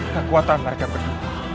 kekuatan mereka berdua